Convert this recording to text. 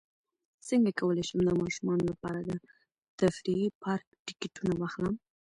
څنګه کولی شم د ماشومانو لپاره د تفریحي پارک ټکټونه واخلم